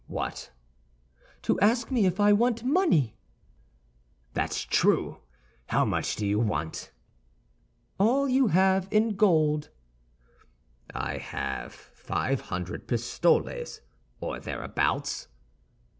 "What?" "To ask me if I want money." "That's true. How much do you want?" "All you have in gold." "I have five hundred pistoles, or thereabouts."